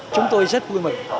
chúng tôi rất vui mừng